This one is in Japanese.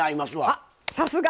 あさすが！